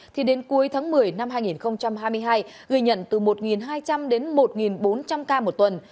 thì đến cuối tháng một mươi năm hai nghìn hai mươi hai ghi nhận từ một hai trăm linh đến một bốn trăm linh ca một tuần